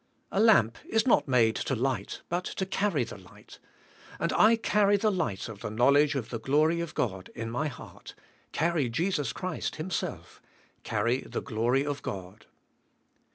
A lamp is not made to light, but to carry the light, and I carry the light of the knowledge of the glory of God in my heart; carry Jesus Christ Himself; carry the glory of God.